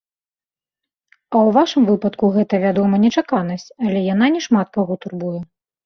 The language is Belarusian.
А ў вашым выпадку гэта, вядома, нечаканасць, але яна не шмат каго турбуе.